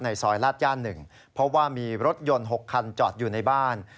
ซอยลาดย่าน๑เพราะว่ามีรถยนต์๖คันจอดอยู่ในบ้าน